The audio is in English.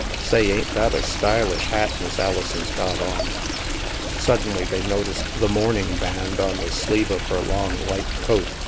Say, ain't that a stylish hat Miss Alison's got on ?" Suddenly they noticed the mouming band on the sleeve of her long light coat.